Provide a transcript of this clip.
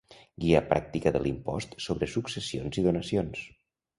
Guia pràctica de l'impost sobre successions i donacions.